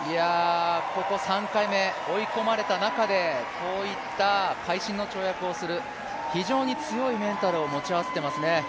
ここ３回目、追い込まれた中で、こういった改心の跳躍をする、非常に強いメンタルを持ち合わせていますね。